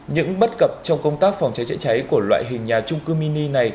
những bất cập trong công tác phòng cháy cháy cháy của loại hình nhà chung cư mini này